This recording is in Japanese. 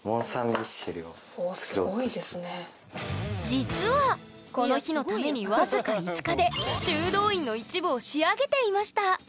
実はこの日のために僅か５日で修道院の一部を仕上げていました！